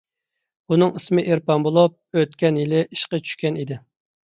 ئۇنىڭ ئىسمى ئېرپان بولۇپ، ئۆتكەن يىلى ئىشقا چۈشكەن ئىكەن.